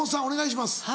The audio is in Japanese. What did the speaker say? お願いします。